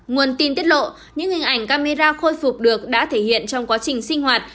nguồn tin tiết lộ những hình ảnh camera khôi phục được đã thể hiện trong quá trình sinh hoạt